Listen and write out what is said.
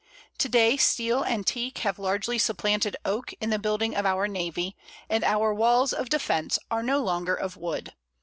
To day steel and teak have largely supplanted oak in the building of our navy, and our walls of defence are no longer of wood.